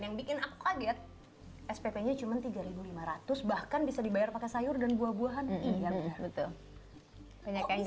envelope organize yang sama girls yang er yang selalu diskeepers